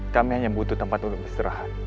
kami hanya butuh tempat untuk istirahat